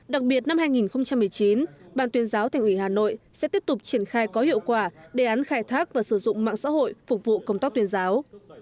đặc biệt năm hai nghìn một mươi chín ban tuyên giáo thành ủy hà nội sẽ tiếp tục triển khai có hiệu quả đề án khai thác và sử dụng mạng xã hội phục vụ công tác tuyên giáo